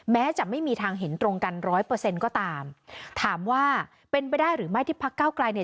แม้จะไม่มีทางเห็นตรงกัน๑๐๐ก็ตามถามว่าเป็นไปได้หรือไม่ที่พระเก้าไกรเนี่ย